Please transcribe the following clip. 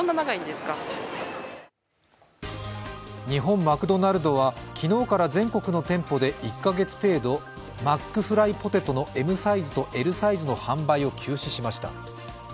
日本マクドナルドは昨日から全国の店舗で１カ月程度、マックフライポテトのＭサイズとＬサイズの販売を休止しました。